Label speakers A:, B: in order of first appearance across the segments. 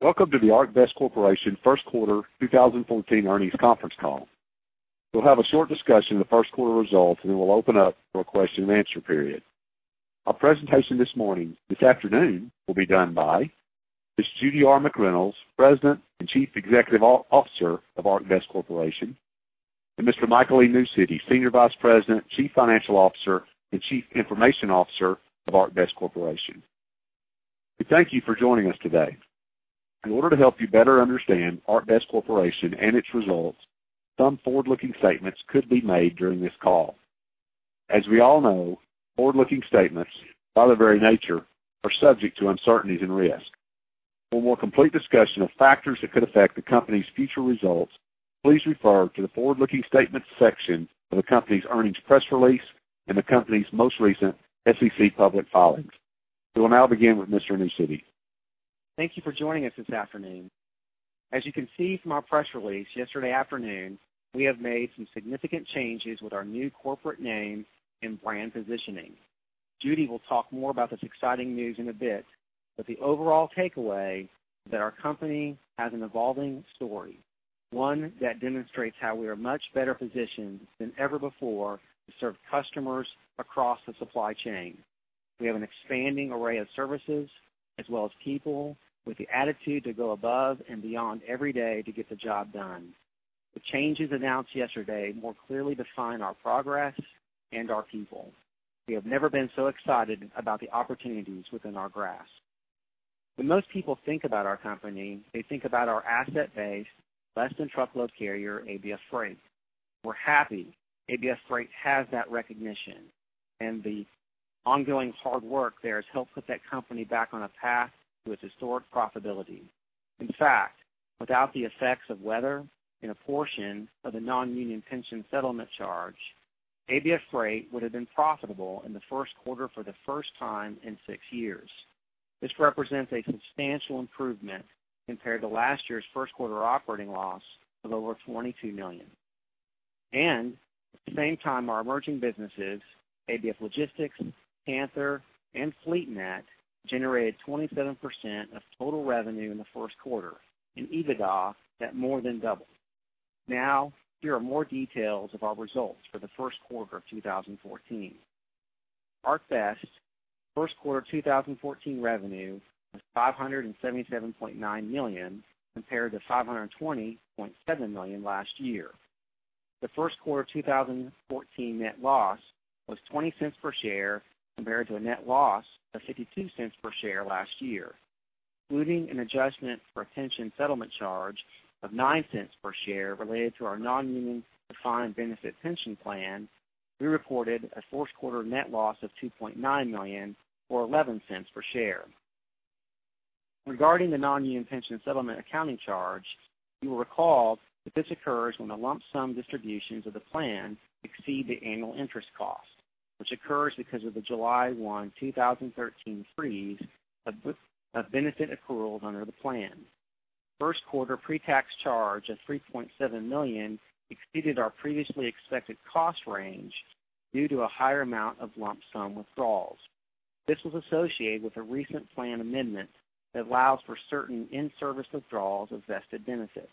A: Welcome to the ArcBest Corporation Q1 2014 earnings conference call. We'll have a short discussion of the Q1 results, and then we'll open up for a question and answer period. Our presentation this morning this afternoon will be done by Ms. Judy R. McReynolds, President and Chief Executive Officer of ArcBest Corporation, and Mr. Michael Newcity, Senior Vice President, Chief Financial Officer, and Chief Information Officer of ArcBest Corporation. We thank you for joining us today. In order to help you better understand ArcBest Corporation and its results, some forward-looking statements could be made during this call. As we all know, forward-looking statements, by their very nature, are subject to uncertainties and risk. For a more complete discussion of factors that could affect the company's future results, please refer to the forward-looking statements section of the company's earnings press release and the company's most recent SEC public filings. We will now begin with Mr. Newcity.
B: Thank you for joining us this afternoon. As you can see from our press release yesterday afternoon, we have made some significant changes with our new corporate name and brand positioning. Judy will talk more about this exciting news in a bit, but the overall takeaway is that our company has an evolving story, one that demonstrates how we are much better positioned than ever before to serve customers across the supply chain. We have an expanding array of services as well as people with the attitude to go above and beyond every day to get the job done. The changes announced yesterday more clearly define our progress and our people. We have never been so excited about the opportunities within our grasp. When most people think about our company, they think about our asset-based, less-than-truckload carrier, ABF Freight. We're happy ABF Freight has that recognition, and the ongoing hard work there has helped put that company back on a path to its historic profitability. In fact, without the effects of weather and a portion of the non-union pension settlement charge, ABF Freight would have been profitable in the Q1 for the first time in six years. This represents a substantial improvement compared to last year's Q1 operating loss of over $22 million. And at the same time, our emerging businesses, ABF Logistics, Panther, and FleetNet, generated 27% of total revenue in the Q1, and EBITDA that more than doubled. Now, here are more details of our results for the Q1 of 2014. ArcBest's Q1 2014 revenue was $577.9 million compared to $520.7 million last year. The Q1 2014 net loss was $0.20 per share compared to a net loss of $0.52 per share last year. Including an adjustment for a pension settlement charge of $0.09 per share related to our non-union defined benefit pension plan, we reported a Q1 net loss of $2.9 million or $0.11 per share. Regarding the non-union pension settlement accounting charge, you will recall that this occurs when the lump sum distributions of the plan exceed the annual interest cost, which occurs because of the July 1, 2013, freeze of benefit accruals under the plan. First quarter pre-tax charge of $3.7 million exceeded our previously expected cost range due to a higher amount of lump sum withdrawals. This was associated with a recent plan amendment that allows for certain in-service withdrawals of vested benefit.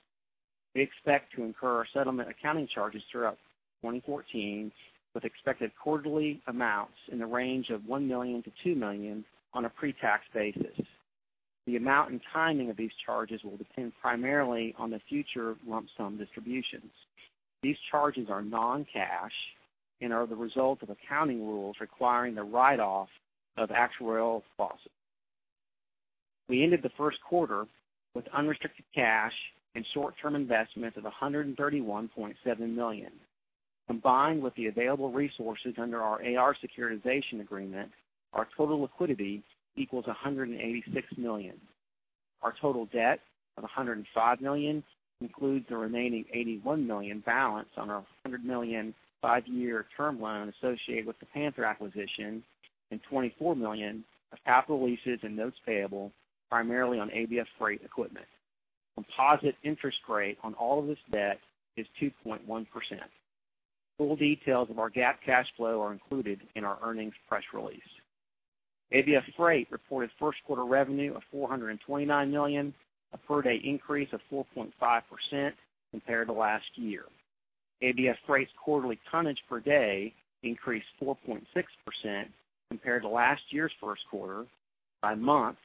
B: We expect to incur settlement accounting charges throughout 2014 with expected quarterly amounts in the range of $1 million-$2 million on a pre-tax basis. The amount and timing of these charges will depend primarily on the future lump sum distributions. These charges are non-cash and are the result of accounting rules requiring the write-off of actuarial losses. We ended the Q1 with unrestricted cash and short-term investments of $131.7 million. Combined with the available resources under our AR securitization agreement, our total liquidity equals $186 million. Our total debt of $105 million includes the remaining $81 million balance on our $100 million five-year term loan associated with the Panther acquisition and $24 million of capital leases and notes payable primarily on ABF Freight equipment. Composite interest rate on all of this debt is 2.1%. Full details of our GAAP cash flow are included in our earnings press release. ABF Freight reported Q1 revenue of $429 million, a per-day increase of 4.5% compared to last year. ABF Freight's quarterly tonnage per day increased 4.6% compared to last year's Q1. By month,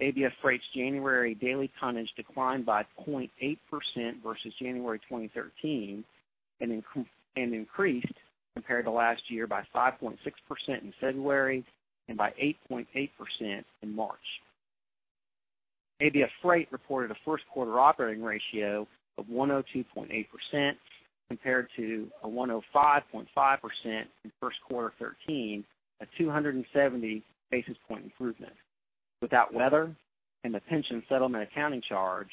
B: ABF Freight's January daily tonnage declined by 0.8% versus January 2013 and increased compared to last year by 5.6% in February and by 8.8% in March. ABF Freight reported a Q1 operating ratio of 102.8% compared to a 105.5% in Q1 2013, a 270 basis point improvement. Without weather and the pension settlement accounting charge,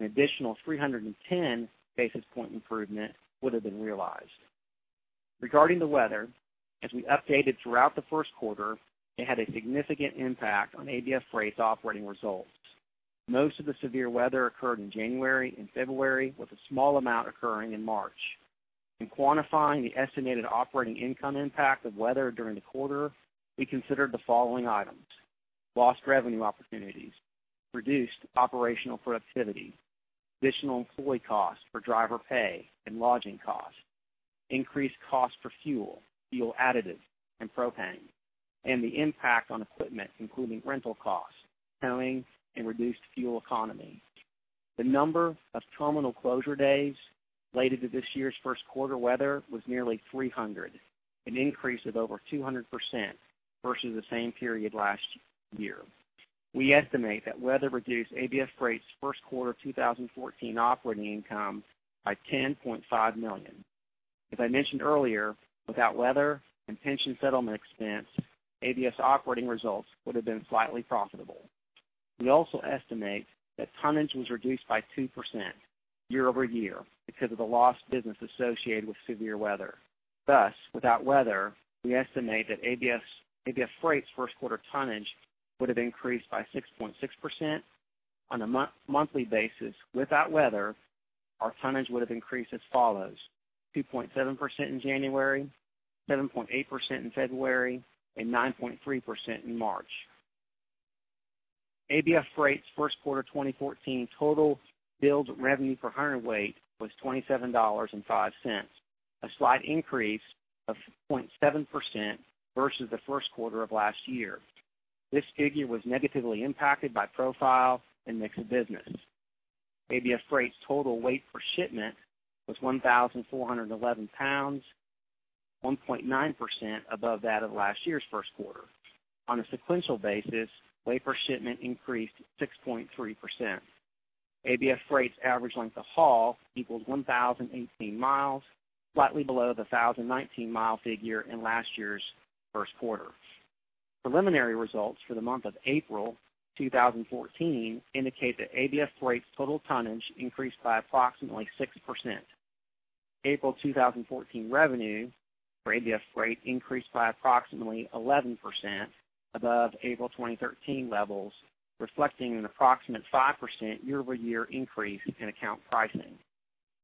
B: an additional 310 basis point improvement would have been realized. Regarding the weather, as we updated throughout the Q1, it had a significant impact on ABF Freight's operating results. Most of the severe weather occurred in January and February, with a small amount occurring in March. In quantifying the estimated operating income impact of weather during the quarter, we considered the following items: lost revenue opportunities, reduced operational productivity, additional employee costs for driver pay, and lodging costs, increased costs for fuel, fuel additives, and propane, and the impact on equipment including rental costs, towing, and reduced fuel economy. The number of terminal closure days related to this year's Q1 weather was nearly 300, an increase of over 200% versus the same period last year. We estimate that weather reduced ABF Freight's Q1 2014 operating income by $10.5 million. As I mentioned earlier, without weather and pension settlement expense, ABF operating results would have been slightly profitable. We also estimate that tonnage was reduced by 2% year-over-year because of the lost business associated with severe weather. Thus, without weather, we estimate that ABF Freight's Q1 tonnage would have increased by 6.6%. On a monthly basis, without weather, our tonnage would have increased as follows: 2.7% in January, 7.8% in February, and 9.3% in March. ABF Freight's Q1 2014 total billed revenue per hundredweight was $27.05, a slight increase of 0.7% versus the Q1 of last year. This figure was negatively impacted by profile and mix of business. ABF Freight's total weight per shipment was 1,411 pounds, 1.9% above that of last year's Q1. On a sequential basis, weight per shipment increased 6.3%. ABF Freight's average length of haul equals 1,018 miles, slightly below the 1,019-mile figure in last year's Q1. Preliminary results for the month of April 2014 indicate that ABF Freight's total tonnage increased by approximately 6%. April 2014 revenue for ABF Freight increased by approximately 11% above April 2013 levels, reflecting an approximate 5% year-over-year increase in account pricing.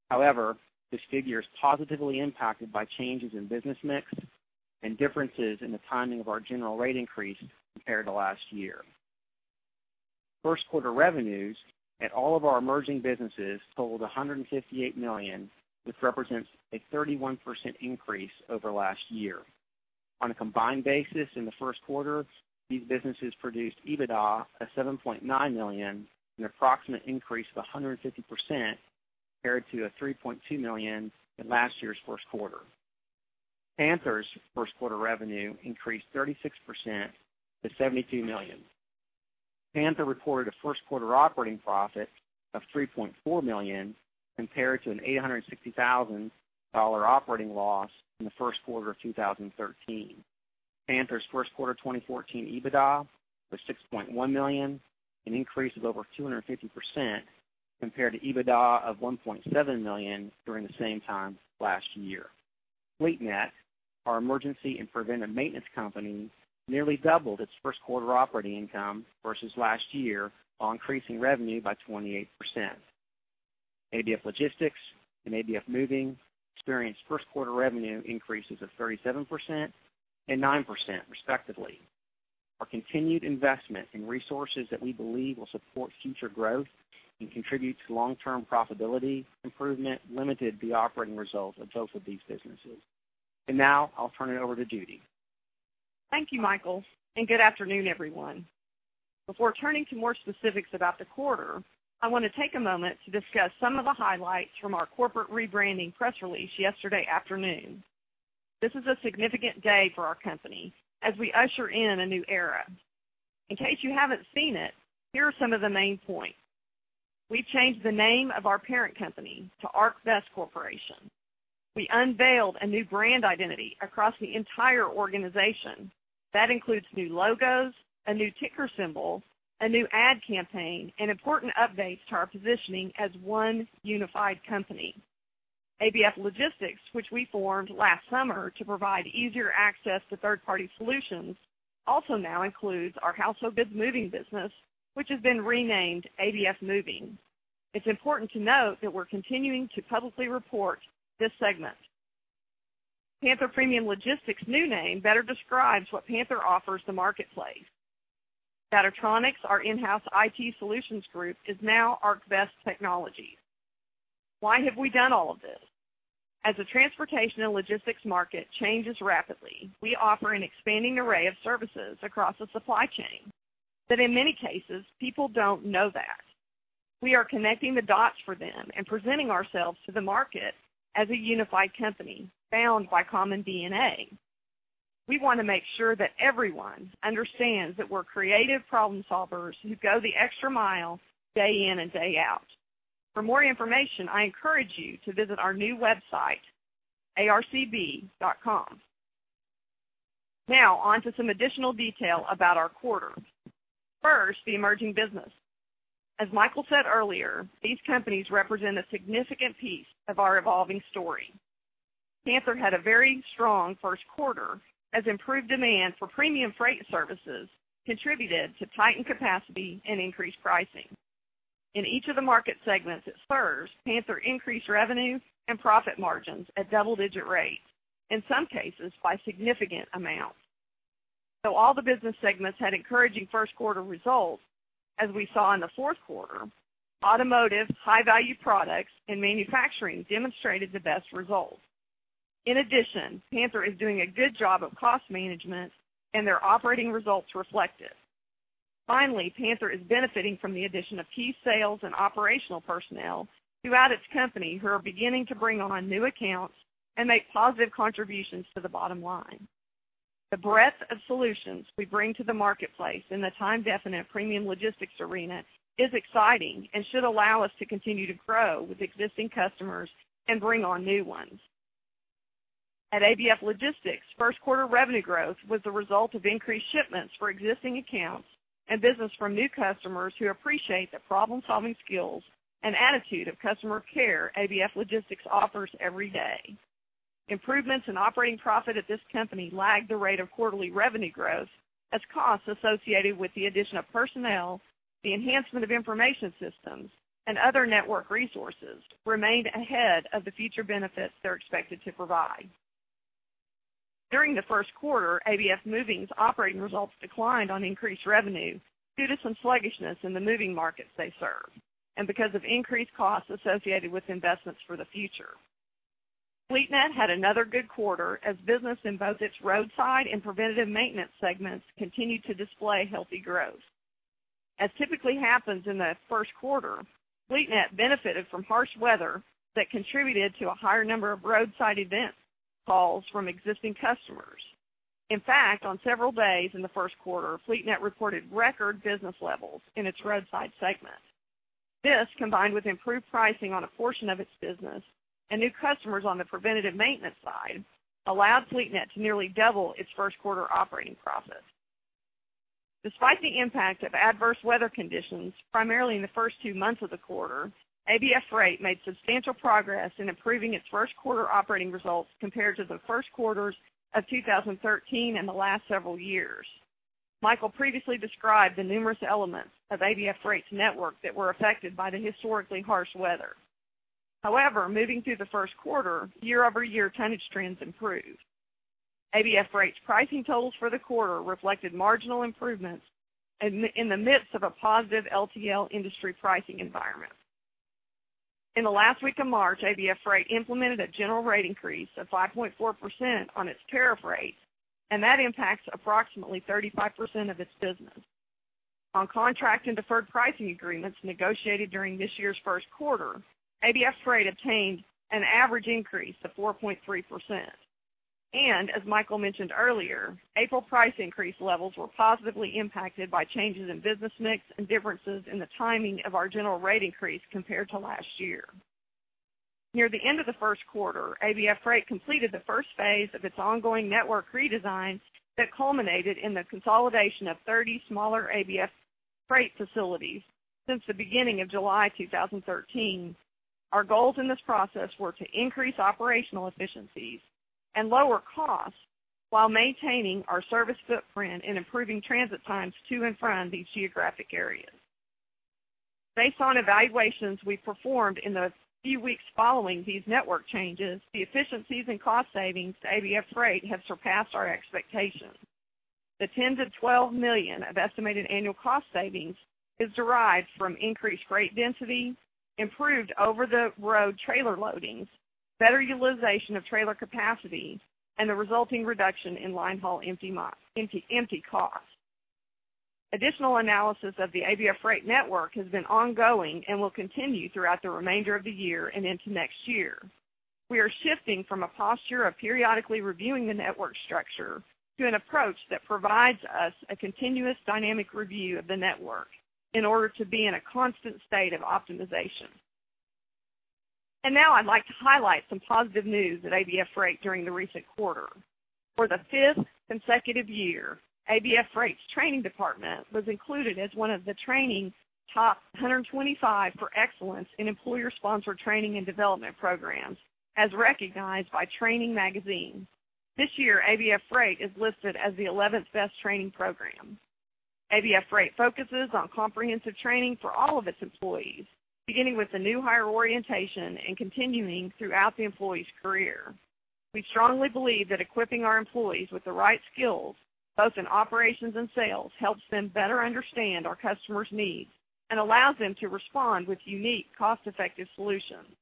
B: However, this figure is positively impacted by changes in business mix and differences in the timing of our general rate increase compared to last year. First quarter revenues at all of our emerging businesses totaled $158 million, which represents a 31% increase over last year. On a combined basis in the Q1, these businesses produced EBITDA of $7.9 million and an approximate increase of 150% compared to a $3.2 million in last year's Q1. Panther's Q1 revenue increased 36% to $72 million. Panther reported a Q1 operating profit of $3.4 million compared to an $860,000 operating loss in the Q1 of 2013. Panther's Q1 2014 EBITDA was $6.1 million, an increase of over 250% compared to EBITDA of $1.7 million during the same time last year. FleetNet, our emergency and preventive maintenance company, nearly doubled its Q1 operating income versus last year while increasing revenue by 28%. ABF Logistics and ABF Moving experienced Q1 revenue increases of 37% and 9%, respectively. Our continued investment in resources that we believe will support future growth and contribute to long-term profitability improvement limited the operating results of both of these businesses. Now, I'll turn it over to Judy.
C: Thank you, Michael, and good afternoon, everyone. Before turning to more specifics about the quarter, I want to take a moment to discuss some of the highlights from our corporate rebranding press release yesterday afternoon. This is a significant day for our company as we usher in a new era. In case you haven't seen it, here are some of the main points. We've changed the name of our parent company to ArcBest Corporation. We unveiled a new brand identity across the entire organization. That includes new logos, a new ticker symbol, a new ad campaign, and important updates to our positioning as one unified company. ABF Logistics, which we formed last summer to provide easier access to third-party solutions, also now includes our household goods moving business, which has been renamed ABF Moving. It's important to note that we're continuing to publicly report this segment. Panther Premium Logistics' new name better describes what Panther offers the marketplace. Data-Tronics, our in-house IT solutions group, is now ArcBest Technologies. Why have we done all of this? As the transportation and logistics market changes rapidly, we offer an expanding array of services across the supply chain. But in many cases, people don't know that. We are connecting the dots for them and presenting ourselves to the market as a unified company bound by common DNA. We want to make sure that everyone understands that we're creative problem-solvers who go the extra mile day in and day out. For more information, I encourage you to visit our new website, arcb.com. Now, onto some additional detail about our quarter. First, the emerging business. As Michael said earlier, these companies represent a significant piece of our evolving story. Panther had a very strong Q1 as improved demand for premium freight services contributed to tightened capacity and increased pricing. In each of the market segments it serves, Panther increased revenue and profit margins at double-digit rates, in some cases by significant amounts. Though all the business segments had encouraging Q1 results, as we saw in the Q4, automotive, high-value products, and manufacturing demonstrated the best results. In addition, Panther is doing a good job of cost management, and their operating results reflect it. Finally, Panther is benefiting from the addition of key sales and operational personnel throughout its company who are beginning to bring on new accounts and make positive contributions to the bottom line. The breadth of solutions we bring to the marketplace in the time-definite premium logistics arena is exciting and should allow us to continue to grow with existing customers and bring on new ones. At ABF Logistics, Q1 revenue growth was the result of increased shipments for existing accounts and business from new customers who appreciate the problem-solving skills and attitude of customer care ABF Logistics offers every day. Improvements in operating profit at this company lagged the rate of quarterly revenue growth as costs associated with the addition of personnel, the enhancement of information systems, and other network resources remained ahead of the future benefits they're expected to provide. During the Q1, ABF Moving's operating results declined on increased revenue due to some sluggishness in the moving markets they serve and because of increased costs associated with investments for the future. FleetNet had another good quarter as business in both its roadside and preventative maintenance segments continued to display healthy growth. As typically happens in the Q1, FleetNet benefited from harsh weather that contributed to a higher number of roadside event calls from existing customers. In fact, on several days in the Q1, FleetNet reported record business levels in its roadside segment. This, combined with improved pricing on a portion of its business and new customers on the preventative maintenance side, allowed FleetNet to nearly double its Q1 operating profit. Despite the impact of adverse weather conditions, primarily in the first two months of the quarter, ABF Freight made substantial progress in improving its Q1 operating results compared to the Q1s of 2013 and the last several years. Michael previously described the numerous elements of ABF Freight's network that were affected by the historically harsh weather. However, moving through the Q1, year-over-year tonnage trends improved. ABF Freight's pricing totals for the quarter reflected marginal improvements in the midst of a positive LTL industry pricing environment. In the last week of March, ABF Freight implemented a general rate increase of 5.4% on its tariff rate, and that impacts approximately 35% of its business. On contract and deferred pricing agreements negotiated during this year's Q1, ABF Freight obtained an average increase of 4.3%. As Michael mentioned earlier, April price increase levels were positively impacted by changes in business mix and differences in the timing of our general rate increase compared to last year. Near the end of the Q1, ABF Freight completed the first phase of its ongoing network redesign that culminated in the consolidation of 30 smaller ABF Freight facilities since the beginning of July 2013. Our goals in this process were to increase operational efficiencies and lower costs while maintaining our service footprint and improving transit times to and from these geographic areas. Based on evaluations we performed in the few weeks following these network changes, the efficiencies and cost savings to ABF Freight have surpassed our expectations. The $10 million-$12 million of estimated annual cost savings is derived from increased freight density, improved over-the-road trailer loadings, better utilization of trailer capacity, and the resulting reduction in linehaul empty costs. Additional analysis of the ABF Freight network has been ongoing and will continue throughout the remainder of the year and into next year. We are shifting from a posture of periodically reviewing the network structure to an approach that provides us a continuous dynamic review of the network in order to be in a constant state of optimization. And now, I'd like to highlight some positive news at ABF Freight during the recent quarter. For the fifth consecutive year, ABF Freight's training department was included as one of the Top 125 for excellence in employer-sponsored training and development programs as recognized by Training Magazine. This year, ABF Freight is listed as the 11th best training program. ABF Freight focuses on comprehensive training for all of its employees, beginning with the new hire orientation and continuing throughout the employee's career. We strongly believe that equipping our employees with the right skills, both in operations and sales, helps them better understand our customers' needs and allows them to respond with unique, cost-effective solutions.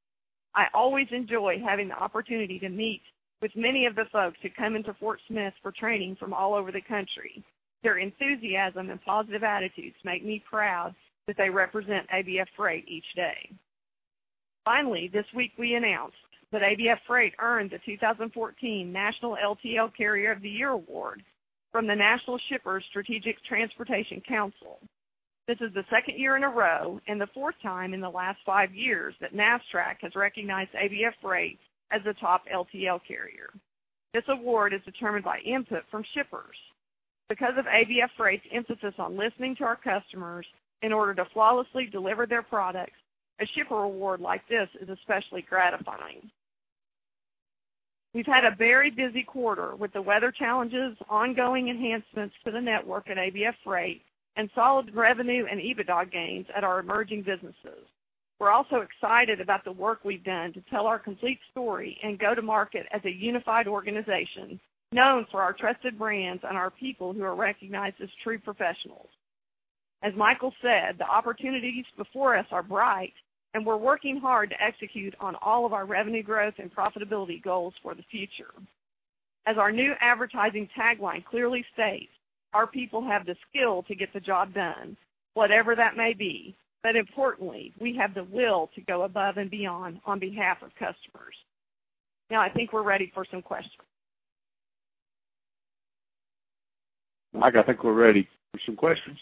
C: I always enjoy having the opportunity to meet with many of the folks who come into Fort Smith for training from all over the country. Their enthusiasm and positive attitudes make me proud that they represent ABF Freight each day. Finally, this week we announced that ABF Freight earned the 2014 National LTL Carrier of the Year Award from the National Shippers Strategic Transportation Council. This is the second year in a row and the fourth time in the last five years that NASSTRAC has recognized ABF Freight as the top LTL carrier. This award is determined by input from shippers. Because of ABF Freight's emphasis on listening to our customers in order to flawlessly deliver their products, a shipper award like this is especially gratifying. We've had a very busy quarter with the weather challenges, ongoing enhancements to the network at ABF Freight, and solid revenue and EBITDA gains at our emerging businesses. We're also excited about the work we've done to tell our complete story and go to market as a unified organization known for our trusted brands and our people who are recognized as true professionals. As Michael said, the opportunities before us are bright, and we're working hard to execute on all of our revenue growth and profitability goals for the future. As our new advertising tagline clearly states, "Our people have the skill to get the job done, whatever that may be, but importantly, we have the will to go above and beyond on behalf of customers." Now, I think we're ready for some questions.
D: Michael, I think we're ready for some questions.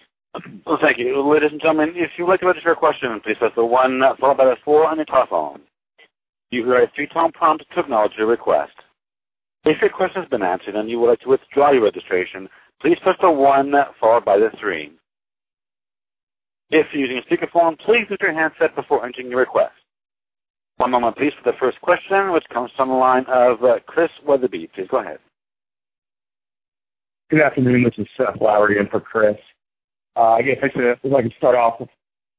A: Well, thank you. Ladies and gentlemen, if you would like to register a question, please press the 1 followed by the 4 on your telephone. You will hear a three-tone prompt to acknowledge your request. If your question has been answered and you would like to withdraw your registration, please press the 1 followed by the 3. If you're using a speakerphone, please move your handset before entering your request. One moment, please, for the first question, which comes from the line of Chris Wetherbee. Please go ahead.
E: Good afternoon. This is Seth Lowery in for Chris. I guess I could start off with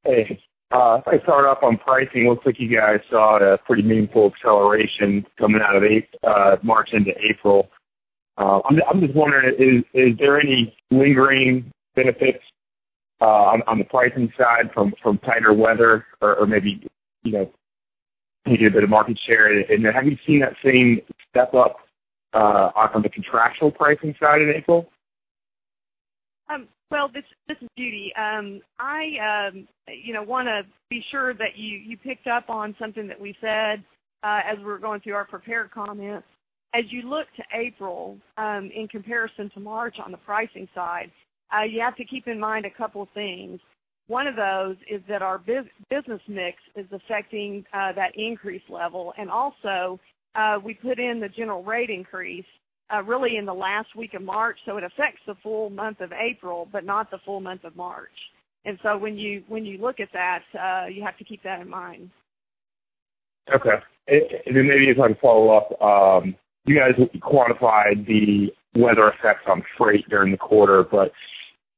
E: if I could start off on pricing. Looks like you guys saw a pretty meaningful acceleration coming out of March into April. I'm just wondering, is there any lingering benefits on the pricing side from tighter weather, or maybe taking a bit of market share? Have you seen that same step-up on the contractual pricing side in April?
C: Well, this is Judy. I want to be sure that you picked up on something that we said as we were going through our prepared comments. As you look to April in comparison to March on the pricing side, you have to keep in mind a couple of things. One of those is that our business mix is affecting that increase level. Also, we put in the general rate increase really in the last week of March, so it affects the full month of April but not the full month of March. So when you look at that, you have to keep that in mind.
E: Okay. And then maybe if I can follow up, you guys quantified the weather effects on freight during the quarter, but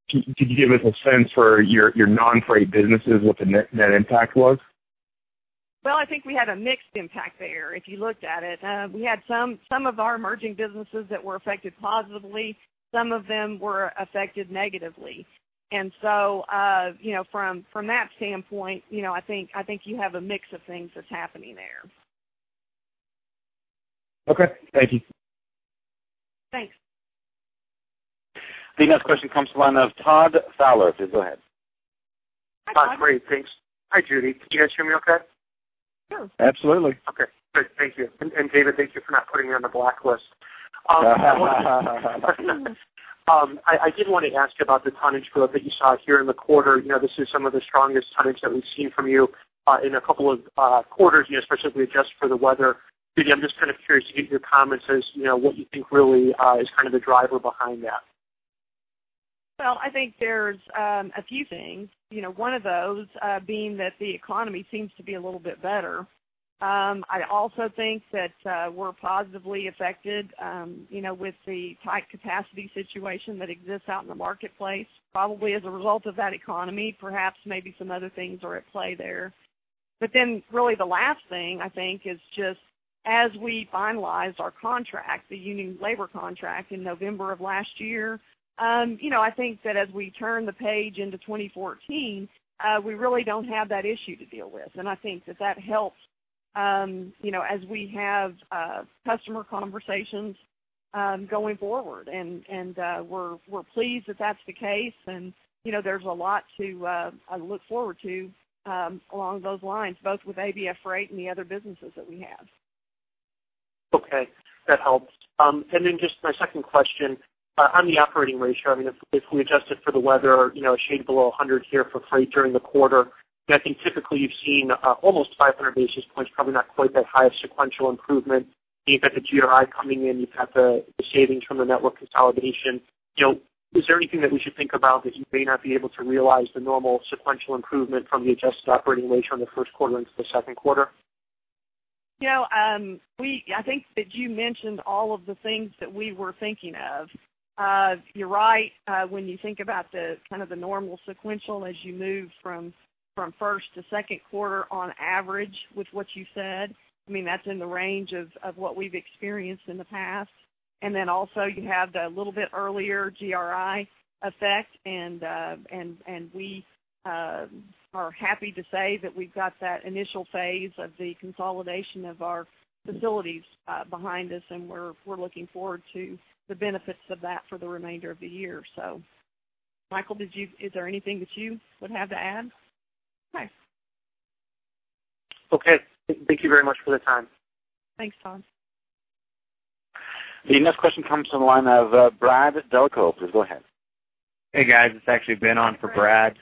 E: could you give us a sense for your non-freight businesses, what the net impact was?
C: Well, I think we had a mixed impact there if you looked at it. We had some of our emerging businesses that were affected positively. Some of them were affected negatively. And so from that standpoint, I think you have a mix of things that's happening there.
E: Okay. Thank you.
C: Thanks.
A: I think the next question comes to the line of Todd Fowler. Please go ahead.
C: Hi, Todd.
F: Todd, great. Thanks. Hi, Judy. Can you guys hear me okay?
C: Sure.
D: Absolutely.
F: Okay. Great. Thank you. And David, thank you for not putting me on the blacklist. I did want to ask you about the tonnage growth that you saw here in the quarter. This is some of the strongest tonnage that we've seen from you in a couple of quarters, especially if we adjust for the weather. Judy, I'm just kind of curious to get your comments as to what you think really is kind of the driver behind that.
C: Well, I think there's a few things. One of those being that the economy seems to be a little bit better. I also think that we're positively affected with the tight capacity situation that exists out in the marketplace. Probably as a result of that economy, perhaps maybe some other things are at play there. But then really the last thing, I think, is just as we finalized our contract, the union labor contract in November of last year, I think that as we turn the page into 2014, we really don't have that issue to deal with. And I think that that helps as we have customer conversations going forward. And we're pleased that that's the case. And there's a lot to look forward to along those lines, both with ABF Freight and the other businesses that we have.
F: Okay. That helps. And then just my second question, on the operating ratio, I mean, if we adjust it for the weather, a shade below 100 here for freight during the quarter, I think typically you've seen almost 500 basis points, probably not quite that high of sequential improvement. You've got the GRI coming in. You've got the savings from the network consolidation. Is there anything that we should think about that you may not be able to realize the normal sequential improvement from the adjusted operating ratio in the Q1 into the second quarter?
C: I think that you mentioned all of the things that we were thinking of. You're right when you think about kind of the normal sequential as you move from first to second quarter on average with what you said. I mean, that's in the range of what we've experienced in the past. And then also, you have the little bit earlier GRI effect. And we are happy to say that we've got that initial phase of the consolidation of our facilities behind us, and we're looking forward to the benefits of that for the remainder of the year, so. Michael, is there anything that you would have to add? Okay.
F: Okay. Thank you very much for the time.
C: Thanks, Todd.
A: The next question comes to the line of Brad Delco. Please go ahead.
G: Hey, guys. It's actually Ben on for Brad.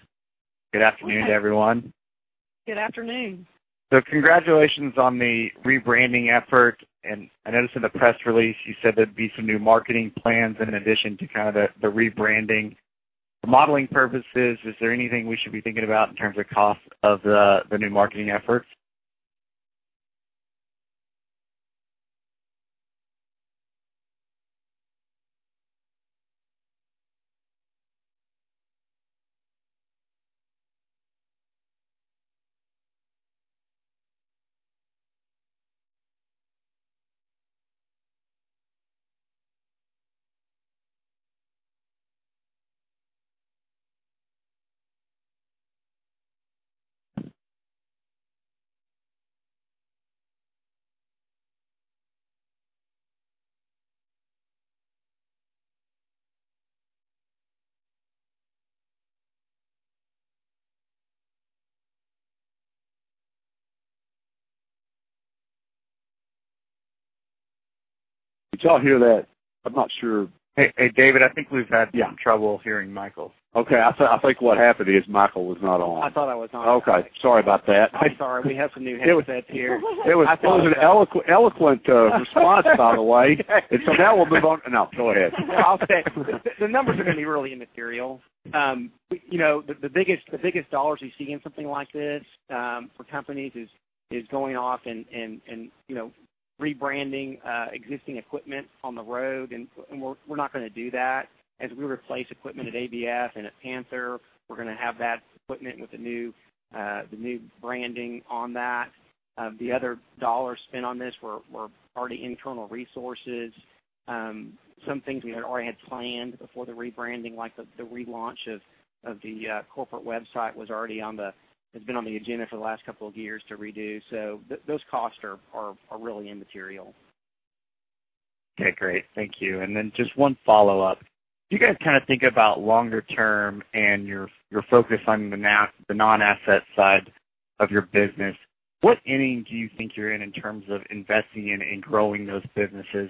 G: Good afternoon to everyone.
C: Good afternoon.
G: Congratulations on the rebranding effort. I noticed in the press release, you said there'd be some new marketing plans in addition to kind of the rebranding. For modeling purposes, is there anything we should be thinking about in terms of cost of the new marketing efforts?
D: You can all hear that. I'm not sure.
G: Hey, David. I think we've had some trouble hearing Michael.
D: Okay. I think what happened is Michael was not on.
B: I thought I was on.
D: Okay. Sorry about that.
B: I'm sorry. We have some new headsets here.
D: It was an eloquent response, by the way. And so now we'll move on, no, go ahead.
B: The numbers are going to be really immaterial. The biggest dollars you see in something like this for companies is going off and rebranding existing equipment on the road. And we're not going to do that. As we replace equipment at ABF and at Panther, we're going to have that equipment with the new branding on that. The other dollars spent on this were already internal resources. Some things we had already had planned before the rebranding, like the relaunch of the corporate website, has been on the agenda for the last couple of years to redo. So those costs are really immaterial.
G: Okay. Great. Thank you. And then just one follow-up. If you guys kind of think about longer-term and your focus on the non-asset side of your business, what, if any, do you think you're in in terms of investing in and growing those businesses?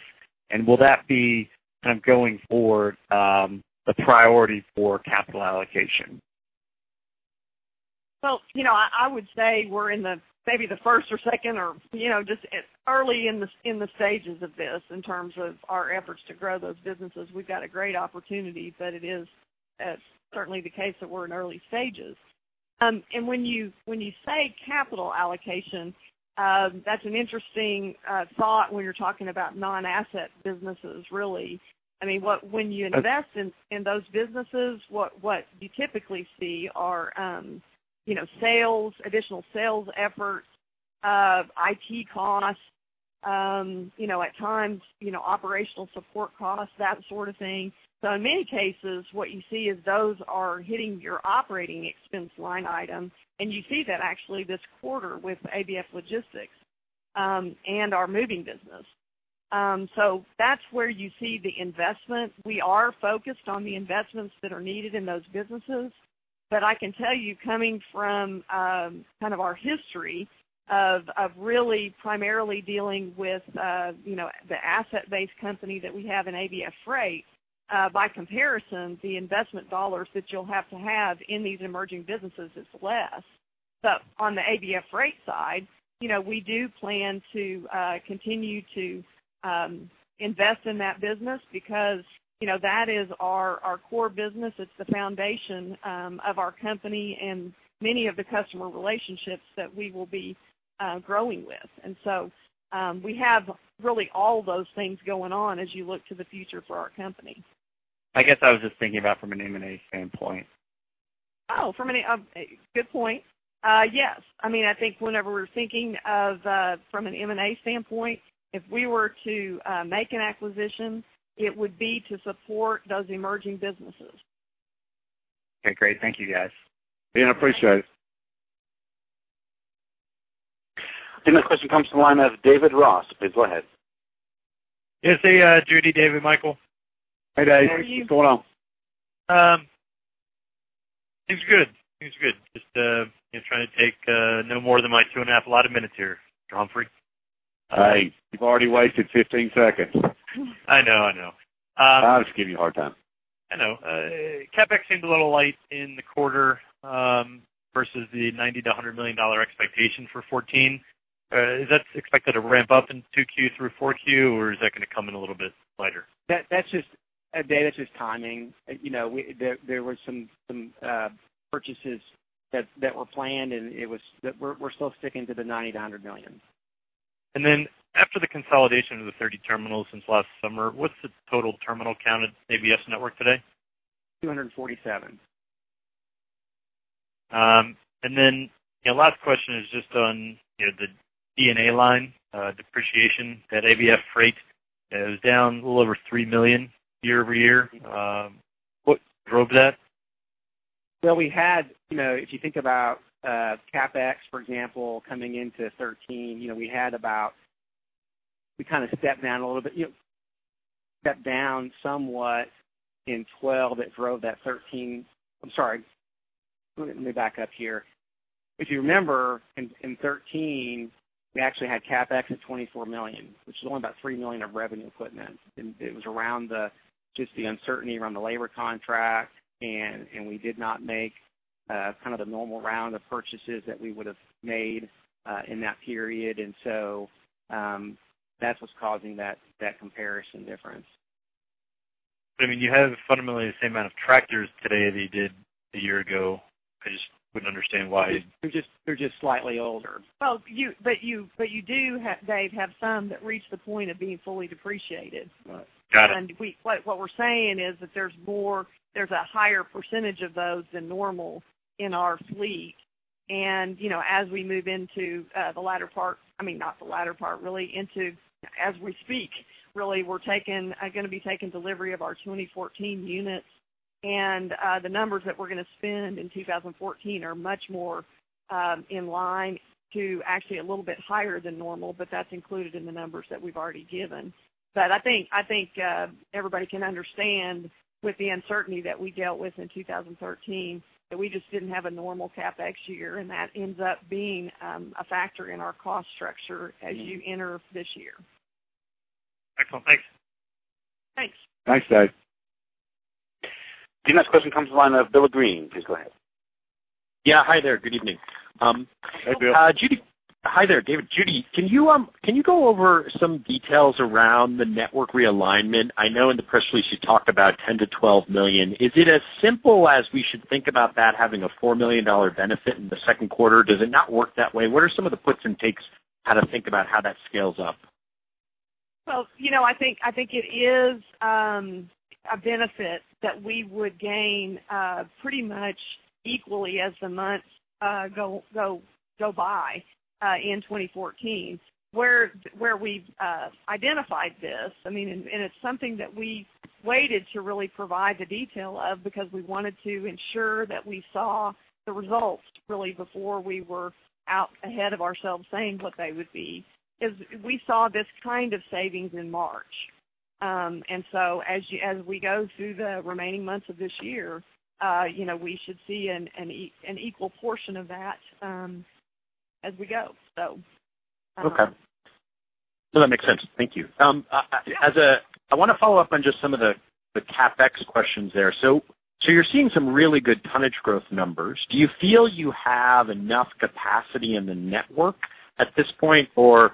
G: Will that be kind of going forward the priority for capital allocation?
C: Well, I would say we're in maybe the first or second or just early in the stages of this in terms of our efforts to grow those businesses. We've got a great opportunity, but it is certainly the case that we're in early stages. And when you say capital allocation, that's an interesting thought when you're talking about non-asset businesses, really. I mean, when you invest in those businesses, what you typically see are additional sales efforts, IT costs, at times, operational support costs, that sort of thing. So in many cases, what you see is those are hitting your operating expense line item. And you see that actually this quarter with ABF Logistics and our moving business. So that's where you see the investment. We are focused on the investments that are needed in those businesses. But I can tell you, coming from kind of our history of really primarily dealing with the asset-based company that we have in ABF Freight, by comparison, the investment dollars that you'll have to have in these emerging businesses is less. But on the ABF Freight side, we do plan to continue to invest in that business because that is our core business. It's the foundation of our company and many of the customer relationships that we will be growing with. And so we have really all those things going on as you look to the future for our company.
G: I guess I was just thinking about from an M&A standpoint.
C: Oh, good point. Yes. I mean, I think whenever we're thinking of from an M&A standpoint, if we were to make an acquisition, it would be to support those emerging businesses.
G: Okay. Great. Thank you, guys.
D: Yeah. I appreciate it.
A: The next question comes to the line of David Ross. Please go ahead.
H: Hey, Judy, David, Michael.
D: Hey, guys.
H: How are you?
D: What's going on?
H: Things are good. Things are good. Just trying to take no more than my 2.5 minutes here, Mr. Humphrey.
D: Hey. You've already wasted 15 seconds.
H: I know. I know.
D: I'll just give you a hard time.
H: I know. CapEx seemed a little light in the quarter versus the $90 million-$100 million expectation for 2014. Is that expected to ramp up in 2Q through 4Q, or is that going to come in a little bit lighter?
B: David, it's just timing. There were some purchases that were planned, and we're still sticking to the $90 million-$100 million.
H: Then after the consolidation of the 30 terminals since last summer, what's the total terminal count at ABF Network today?
B: 247.
H: And then last question is just on the D&A line, depreciation at ABF Freight. It was down a little over $3 million year-over-year. What drove that?
B: Well, if you think about CapEx, for example, coming into 2013, we had about – we kind of stepped down a little bit somewhat in 2012 that drove that 2013. I'm sorry. Let me back up here. If you remember, in 2013, we actually had CapEx at $24 million, which is only about $3 million of revenue equipment. And it was around just the uncertainty around the labor contract. And we did not make kind of the normal round of purchases that we would have made in that period. And so that's what's causing that comparison difference.
H: I mean, you have fundamentally the same amount of tractors today that you did a year ago. I just wouldn't understand why.
B: They're just slightly older.
C: Well, but you do, Dave, have some that reach the point of being fully depreciated. And what we're saying is that there's a higher percentage of those than normal in our fleet. And as we move into the latter part, I mean, not the latter part, really, into as we speak, really, we're going to be taking delivery of our 2014 units. And the numbers that we're going to spend in 2014 are much more in line to actually a little bit higher than normal, but that's included in the numbers that we've already given. But I think everybody can understand with the uncertainty that we dealt with in 2013 that we just didn't have a normal CapEx year. And that ends up being a factor in our cost structure as you enter this year.
H: Excellent. Thanks.
C: Thanks.
D: Thanks, Dave.
A: The next question comes to the line of Bill Greene. Please go ahead.
I: Yeah. Hi there. Good evening.
H: Hey, Bill.
I: Judy, hi there, David. Judy, can you go over some details around the network realignment? I know in the press release, you talked about $10-$12 million. Is it as simple as we should think about that having a $4 million benefit in the second quarter? Does it not work that way? What are some of the puts and takes how to think about how that scales up?
C: Well, I think it is a benefit that we would gain pretty much equally as the months go by in 2014, where we've identified this. I mean, and it's something that we waited to really provide the detail of because we wanted to ensure that we saw the results really before we were out ahead of ourselves saying what they would be. We saw this kind of savings in March. And so as we gothrough the remaining months of this year, we should see an equal portion of that as we go, so.
I: Okay. No, that makes sense. Thank you. I want to follow up on just some of the CapEx questions there. So you're seeing some really good tonnage growth numbers. Do you feel you have enough capacity in the network at this point? Or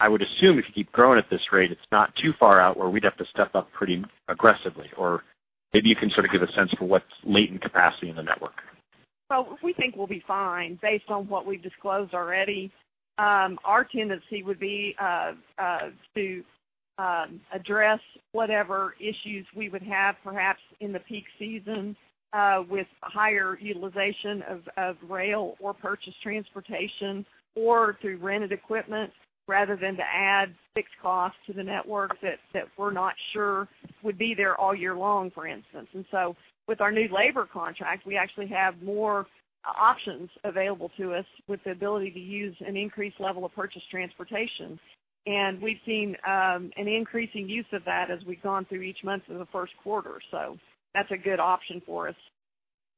I: I would assume if you keep growing at this rate, it's not too far out where we'd have to step up pretty aggressively. Or maybe you can sort of give a sense for what's latent capacity in the network.
C: Well, we think we'll be fine based on what we've disclosed already. Our tendency would be to address whatever issues we would have, perhaps in the peak season with higher utilization of rail or purchased transportation or through rented equipment rather than to add fixed costs to the network that we're not sure would be there all year long, for instance. And so with our new labor contract, we actually have more options available to us with the ability to use an increased level of purchased transportation. And we've seen an increasing use of that as we've gone through each month of the Q1. So that's a good option for us.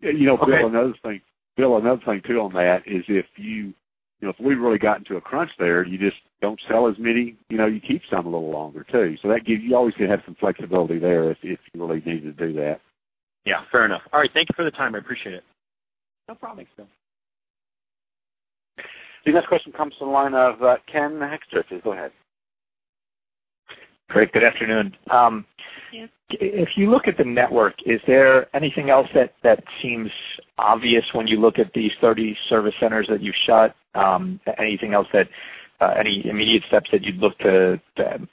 D: Yeah. You know Bill, another thing too on that is if we've really gotten to a crunch there, you just don't sell as many. You keep some a little longer too. So you always can have some flexibility there if you really needed to do that.
I: Yeah. Fair enough. All right. Thank you for the time. I appreciate it.
C: No problem, Bill.
A: The next question comes to the line of Ken Hoexter. Please go ahead.
J: Great. Good afternoon.
C: Hey.
J: If you look at the network, is there anything else that seems obvious when you look at these 30 service centers that you've shut? Anything else that any immediate steps that you'd look to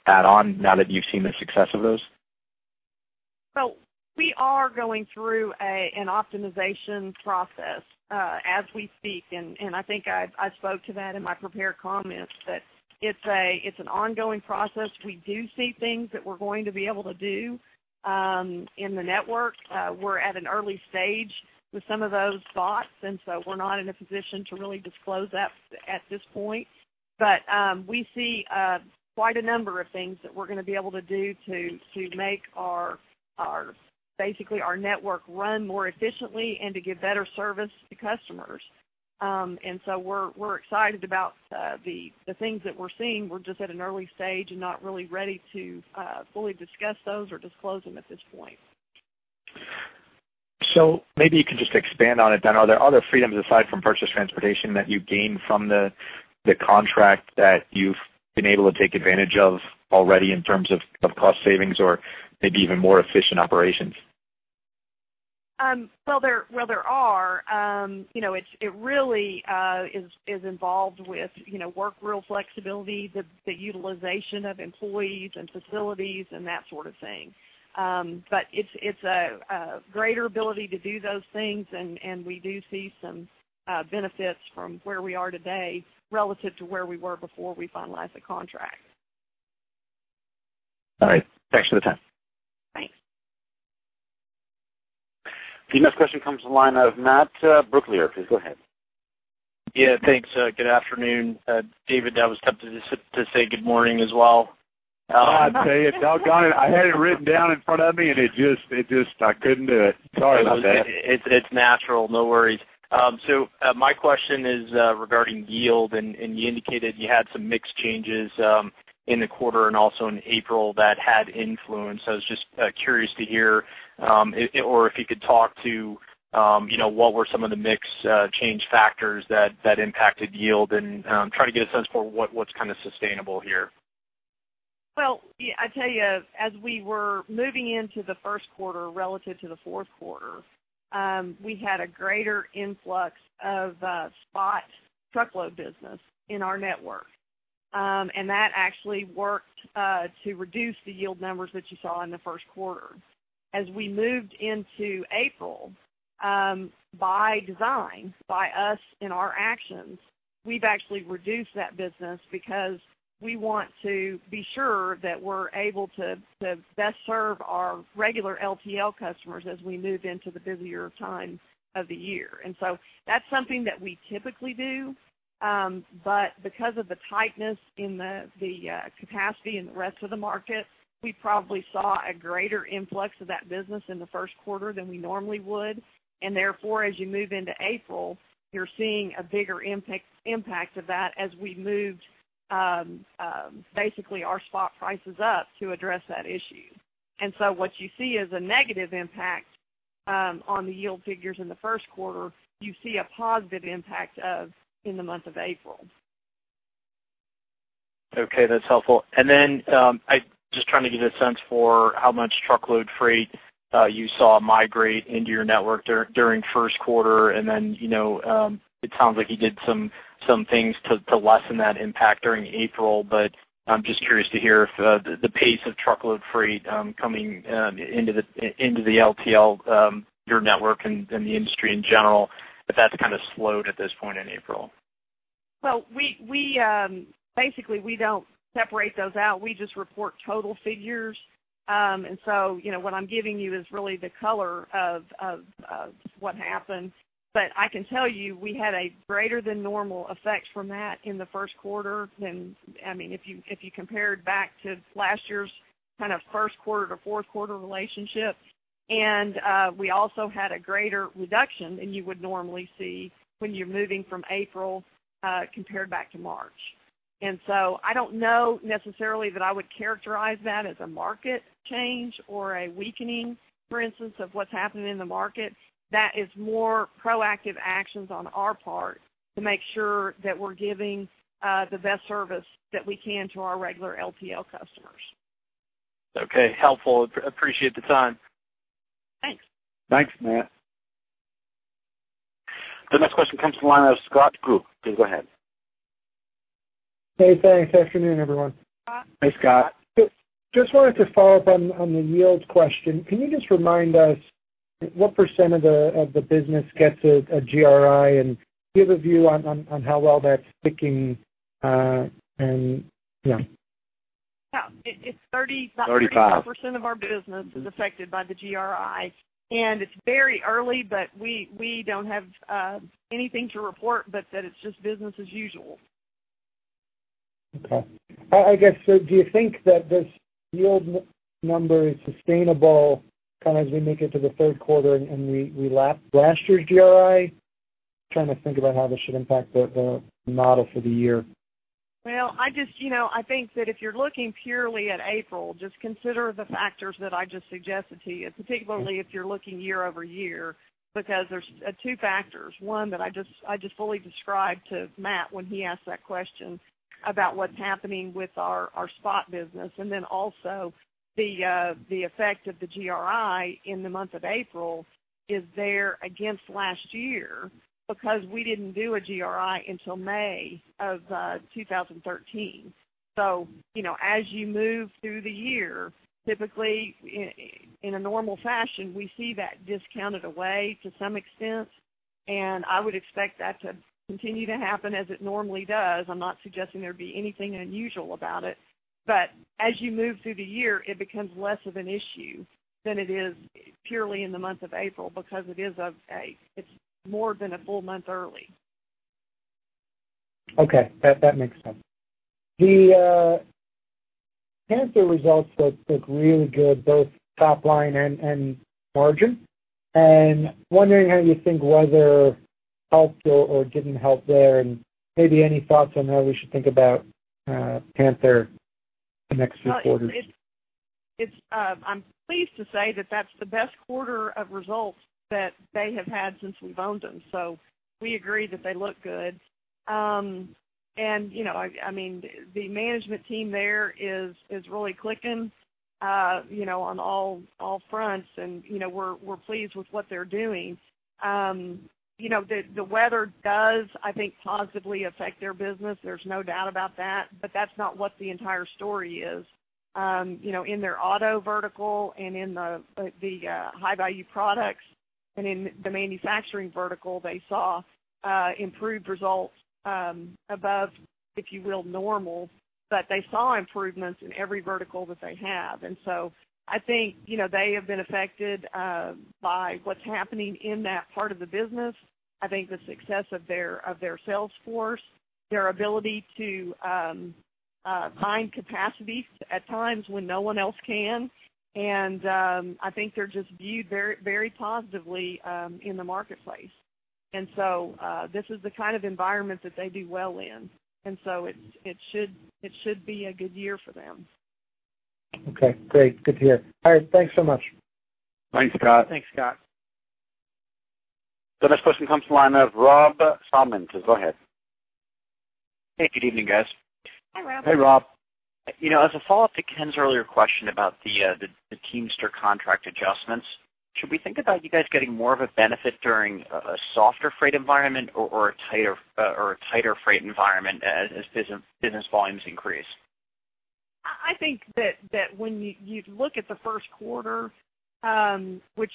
J: add on now that you've seen the success of those?
C: Well, we are going through an optimization process as we speak. And I think I spoke to that in my prepared comments that it's an ongoing process. We do see things that we're going to be able to do in the network. We're at an early stage with some of those thoughts. And so we're not in a position to really disclose that at this point. But we see quite a number of things that we're going to be able to do to make basically our network run more efficiently and to give better service to customers. And so we're excited about the things that we're seeing. We're just at an early stage and not really ready to fully discuss those or disclose them at this point.
J: Maybe you can just expand on it, then. Are there other freedoms aside from purchased transportation that you gained from the contract that you've been able to take advantage of already in terms of cost savings or maybe even more efficient operations?
C: Well, there are. It really is involved with work rule flexibility, the utilization of employees and facilities, and that sort of thing. But it's a greater ability to do those things. And we do see some benefits from where we are today relative to where we were before we finalized the contract.
J: All right. Thanks for the time.
C: Thanks.
A: The next question comes to the line of Matt Brooklier. Please go ahead.
K: Yeah. Thanks. Good afternoon. David, I was tempted to say good morning as well.
D: I'd say it. I had it written down in front of me, and I couldn't do it. Sorry about that.
K: It's natural. No worries. My question is regarding yield. You indicated you had some mixed changes in the quarter and also in April that had influence. I was just curious to hear or if you could talk to what were some of the mixed change factors that impacted yield and try to get a sense for what's kind of sustainable here?
C: Well, I'll tell you, as we were moving into the Q1 relative to the Q4, we had a greater influx of spot truckload business in our network. That actually worked to reduce the yield numbers that you saw in the Q1. As we moved into April, by design, by us in our actions, we've actually reduced that business because we want to be sure that we're able to best serve our regular LTL customers as we move into the busier time of the year. So that's something that we typically do. But because of the tightness in the capacity in the rest of the market, we probably saw a greater influx of that business in the Q1 than we normally would. And therefore, as you move into April, you're seeing a bigger impact of that as we moved basically our spot prices up to address that issue. And so what you see as a negative impact on the yield figures in the Q1, you see a positive impact in the month of April.
K: Okay. That's helpful. And then just trying to get a sense for how much truckload freight you saw migrate into your network during Q1. And then it sounds like you did some things to lessen that impact during April. But I'm just curious to hear if the pace of truckload freight coming into the LTL, your network, and the industry in general, if that's kind of slowed at this point in April?
C: Well, basically, we don't separate those out. We just report total figures. And so what I'm giving you is really the color of what happened. But I can tell you we had a greater than normal effect from that in the Q1 than I mean, if you compared back to last year's kind of Q1 to Q4 relationship. And we also had a greater reduction than you would normally see when you're moving from April compared back to March. And so I don't know necessarily that I would characterize that as a market change or a weakening, for instance, of what's happening in the market. That is more proactive actions on our part to make sure that we're giving the best service that we can to our regular LTL customers.
K: Okay. Helpful. Appreciate the time.
C: Thanks.
D: Thanks, Matt.
A: The next question comes to the line of Scott Group. Please go ahead.
L: Hey. Thanks. Afternoon, everyone.
C: Scott.
B: Hey, Scott.
L: Just wanted to follow up on the yield question. Can you just remind us what percent of the business gets a GRI? And do you have a view on how well that's ticking?
C: Yeah. It's 35.
B: 35.
C: Percent of our business is affected by the GRI. It's very early, but we don't have anything to report but that it's just business as usual.
L: Okay. I guess, so do you think that this yield number is sustainable kind of as we make it to the third quarter and we lap last year's GRI? Trying to think about how this should impact the model for the year.
C: Well, I think that if you're looking purely at April, just consider the factors that I just suggested to you, particularly if you're looking year-over-year because there's two factors. One, that I just fully described to Matt when he asked that question about what's happening with our spot business. And then also, the effect of the GRI in the month of April is there against last year because we didn't do a GRI until May of 2013. So as you move through the year, typically, in a normal fashion, we see that discounted away to some extent. And I would expect that to continue to happen as it normally does. I'm not suggesting there'd be anything unusual about it. But as you move through the year, it becomes less of an issue than it is purely in the month of April because it's more than a full month early.
L: Okay. That makes sense. The consensus results look really good, both top line and margin. Wondering how you think whether it helped or didn't help there and maybe any thoughts on how we should think about Panther the next few quarters.
C: Well, I'm pleased to say that that's the best quarter of results that they have had since we've owned them. So we agree that they look good. And I mean, the management team there is really clicking on all fronts. And we're pleased with what they're doing. The weather does, I think, positively affect their business. There's no doubt about that. But that's not what the entire story is. In their auto vertical and in the high-value products and in the manufacturing vertical, they saw improved results above, if you will, normal. But they saw improvements in every vertical that they have. And so I think they have been affected by what's happening in that part of the business. I think the success of their sales force, their ability to find capacity at times when no one else can. And I think they're just viewed very positively in the marketplace. This is the kind of environment that they do well in. It should be a good year for them.
L: Okay. Great. Good to hear. All right. Thanks so much.
D: Thanks, Scott.
B: Thanks, Scott.
A: The next question comes to the line of Rob Salmon. Please go ahead.
M: Hey. Good evening, guys.
C: Hi, Rob.
B: Hey, Rob.
M: As a follow-up to Ken's earlier question about the Teamsters contract adjustments, should we think about you guys getting more of a benefit during a softer freight environment or a tighter freight environment as business volumes increase?
C: I think that when you look at the Q1, which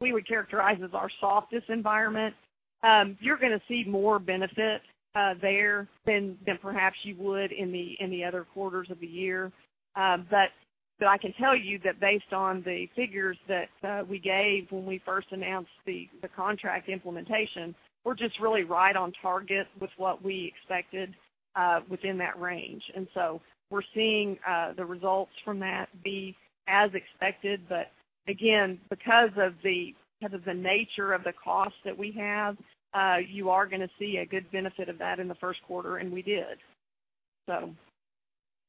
C: we would characterize as our softest environment, you're going to see more benefit there than perhaps you would in the other quarters of the year. But I can tell you that based on the figures that we gave when we first announced the contract implementation, we're just really right on target with what we expected within that range. And so we're seeing the results from that be as expected. But again, because of the nature of the cost that we have, you are going to see a good benefit of that in the Q1. And we did, so.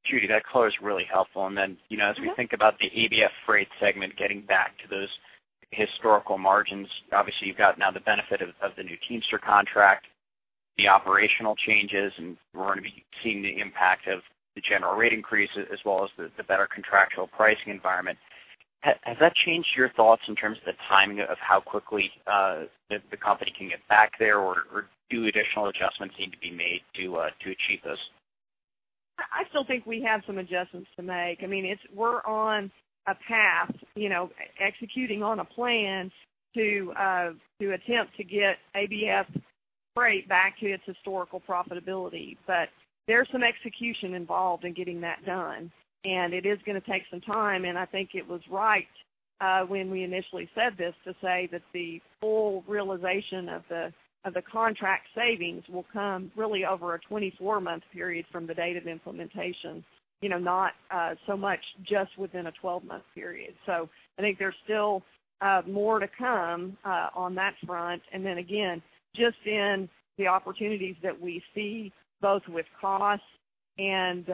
M: Judy, that quote is really helpful. Then as we think about the ABF Freight segment getting back to those historical margins, obviously, you've got now the benefit of the new Teamster contract, the operational changes, and we're going to be seeing the impact of the general rate increase as well as the better contractual pricing environment. Has that changed your thoughts in terms of the timing of how quickly the company can get back there or do additional adjustments need to be made to achieve this?
C: I still think we have some adjustments to make. I mean, we're on a path, executing on a plan to attempt to get ABF Freight back to its historical profitability. But there's some execution involved in getting that done. And it is going to take some time. And I think it was right when we initially said this to say that the full realization of the contract savings will come really over a 24-month period from the date of implementation, not so much just within a 12-month period. So I think there's still more to come on that front. And then again, just in the opportunities that we see both with costs and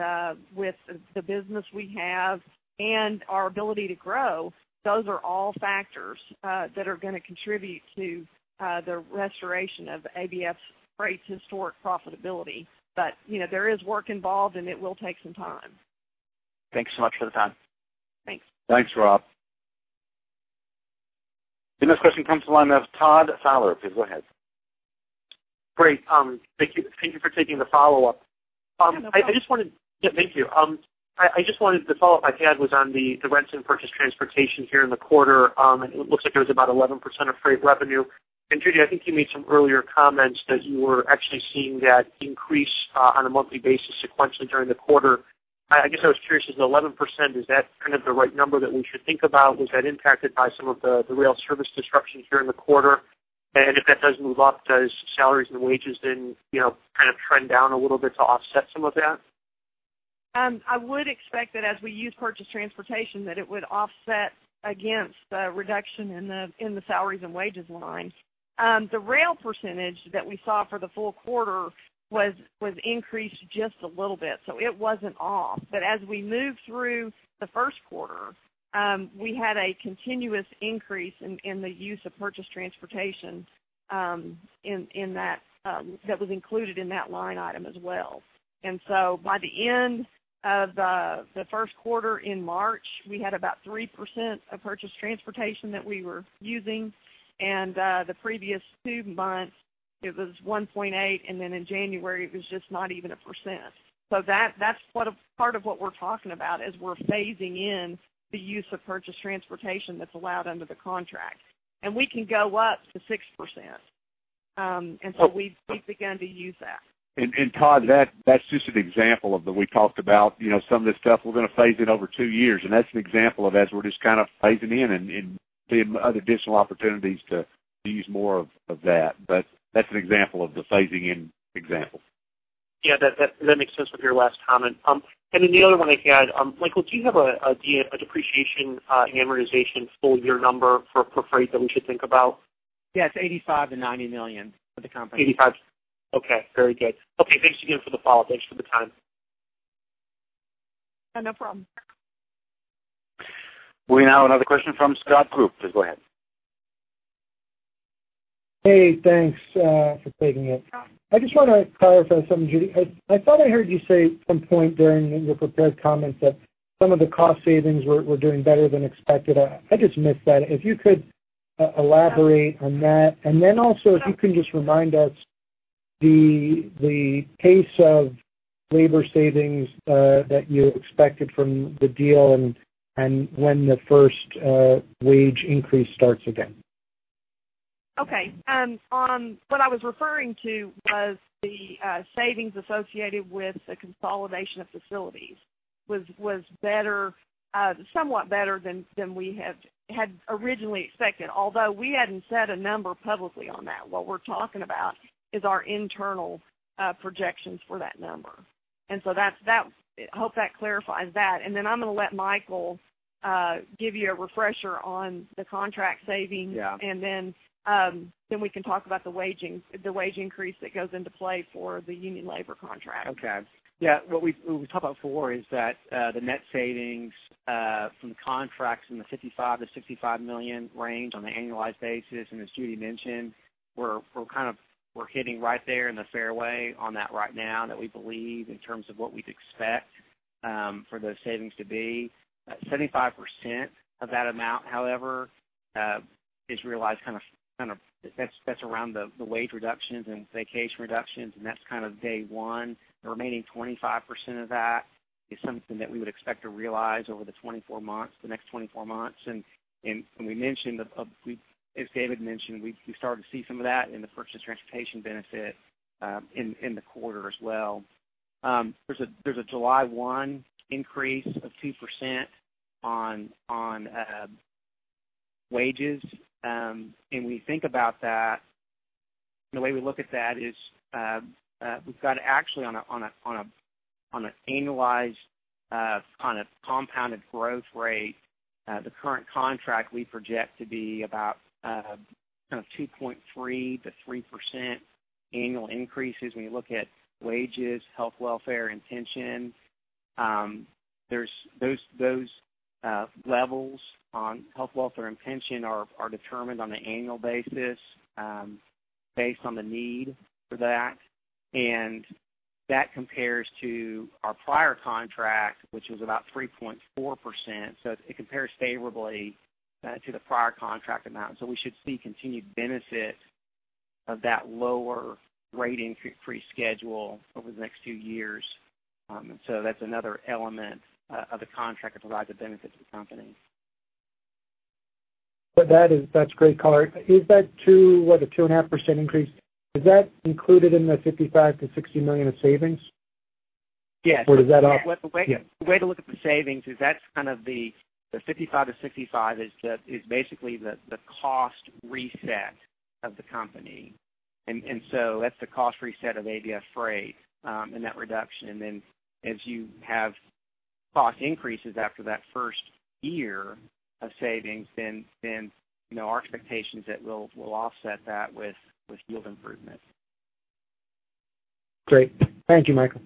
C: with the business we have and our ability to grow, those are all factors that are going to contribute to the restoration of ABF Freight's historic profitability. But there is work involved, and it will take some time.
M: Thanks so much for the time.
C: Thanks.
D: Thanks, Rob.
A: The next question comes to the line of Todd Fowler. Please go ahead.
F: Great. Thank you for taking the follow-up. I just wanted to thank you. I just wanted to follow up. My question was on the rent and purchased transportation here in the quarter. And it looks like it was about 11% of freight revenue. And Judy, I think you made some earlier comments that you were actually seeing that increase on a monthly basis sequentially during the quarter. I guess I was curious, is the 11%, is that kind of the right number that we should think about? Was that impacted by some of the rail service disruption here in the quarter? And if that does move up, does salaries and wages then kind of trend down a little bit to offset some of that?
C: I would expect that as we use purchased transportation, that it would offset against the reduction in the salaries and wages line. The rail percentage that we saw for the full quarter was increased just a little bit. So it wasn't off. But as we moved through the Q1, we had a continuous increase in the use of purchased transportation that was included in that line item as well. And so by the end of the Q1 in March, we had about 3% of purchased transportation that we were using. The previous two months, it was 1.8. Then in January, it was just not even a percent. So that's part of what we're talking about as we're phasing in the use of purchased transportation that's allowed under the contract. And we can go up to 6%. So we've begun to use that.
D: And Todd, that's just an example of what we talked about some of this stuff, we're going to phase it over two years. And that's an example of how we're just kind of phasing in and seeing other additional opportunities to use more of that. But that's an example of the phasing-in example.
F: Yeah. That makes sense with your last comment. And then the other one I had, Michael, do you have a depreciation and amortization full year number for freight that we should think about?
B: Yeah. It's $85 million-$90 million for the company.
F: Okay. Very good. Okay. Thanks again for the follow-up. Thanks for the time.
C: Yeah. No problem.
A: We now have another question from Scott Group. Please go ahead.
L: Hey. Thanks for taking it. I just want to clarify something, Judy. I thought I heard you say at some point during your prepared comments that some of the cost savings were doing better than expected. I just missed that. If you could elaborate on that. And then also, if you can just remind us the pace of labor savings that you expected from the deal and when the first wage increase starts again.
C: Okay. What I was referring to was the savings associated with the consolidation of facilities was somewhat better than we had originally expected, although we hadn't said a number publicly on that. What we're talking about is our internal projections for that number. And so I hope that clarifies that. And then I'm going to let Michael give you a refresher on the contract savings. And then we can talk about the wage increase that goes into play for the union labor contract.
B: Okay. Yeah. What we talked about before is that the net savings from the contracts in the $55 million-$65 million range on an annualized basis. And as Judy mentioned, we're kind of hitting right there in the fairway on that right now that we believe in terms of what we'd expect for those savings to be. 75% of that amount, however, is realized kind of that's around the wage reductions and vacation reductions. And that's kind of day one. The remaining 25% of that is something that we would expect to realize over the next 24 months. And we mentioned, as David mentioned, we started to see some of that in the purchased transportation benefit in the quarter as well. There's a July 1 increase of 2% on wages. We think about that the way we look at that is we've got actually on an annualized kind of compounded growth rate the current contract we project to be about kind of 2.3%-3% annual increases when you look at wages, health, welfare, and pension. Those levels on health, welfare and pension are determined on an annual basis based on the need for that. And that compares to our prior contract, which was about 3.4%. So it compares favorably to the prior contract amount. So we should see continued benefit of that lower rate increase schedule over the next two years. And so that's another element of the contract that provides a benefit to the company.
L: But that's great color. Is that what, a 2.5% increase? Is that included in the $55 million-$60 million of savings?
B: Yes.
L: Or does that.
B: The way to look at the savings is, that's kind of the 55-65 is basically the cost reset of the company. And so that's the cost reset of ABF Freight and that reduction. And then as you have cost increases after that first year of savings, then our expectation is that we'll offset that with yield improvement.
L: Great. Thank you, Michael.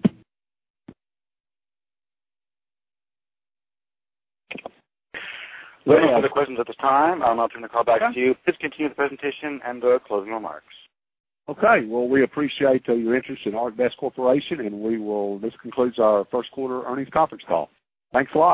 A: We don't have any further questions at this time. I'll turn the call back to you. Please continue with the presentation and the closing remarks.
D: Okay. Well, we appreciate your interest in ArcBest Corporation. This concludes our Q1 earnings conference call. Thanks a lot.